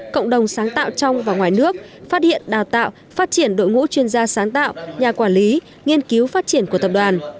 cộng đồng sáng tạo trong và ngoài nước phát hiện đào tạo phát triển đội ngũ chuyên gia sáng tạo nhà quản lý nghiên cứu phát triển của tập đoàn